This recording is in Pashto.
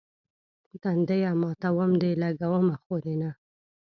تنديه ماتوم دي، لګومه خو دې نه.